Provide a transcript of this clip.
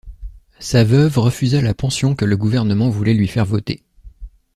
Sa veuve refusa la pension que le gouvernement voulait lui faire voter.